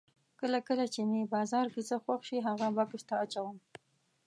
کله کله چې مې بازار کې څه خوښ شي هغه بکس ته اچوم.